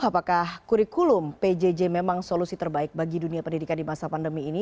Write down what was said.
apakah kurikulum pjj memang solusi terbaik bagi dunia pendidikan di masa pandemi ini